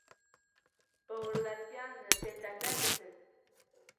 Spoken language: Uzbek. O’g’irlatgan tentaklar, desin.